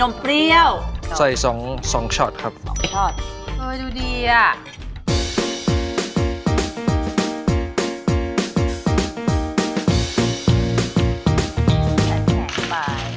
มันจะแข็งไป